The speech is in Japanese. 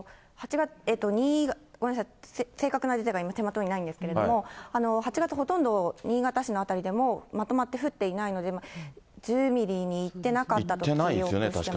正確なデータが今、手元にないんですけれども、８月、ほとんど新潟市の辺りでもまとまって降っていないので、１０ミリにいってなかったと記憶してます。